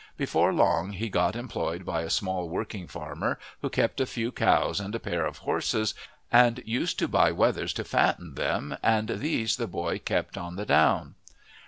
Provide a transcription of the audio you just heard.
Before long he got employed by a small working farmer who kept a few cows and a pair of horses and used to buy wethers to fatten them, and these the boy kept on the down.